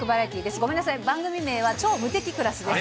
ごめんなさい、番組名は超無敵クラスです。